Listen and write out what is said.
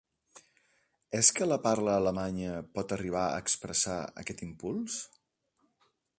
És que la parla alemanya pot arribar a expressar aquest impuls?